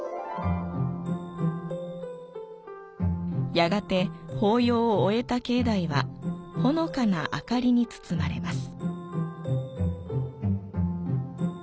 やがて法要を終えた境内はほのかな明かりに包まれます。